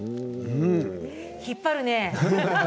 引っ張るね。